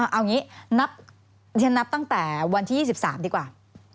เอางี้นับตั้งแต่วันที่๒๓ดีกว่า